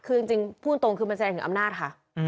คือจริงพูดตรงคือมันแสดงถึงอำนาจค่ะ